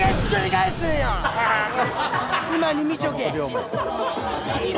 今に見ちょけ！